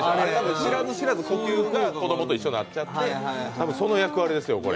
知らず知らず呼吸も子供と一緒になっちゃってその役割ですよ、これ。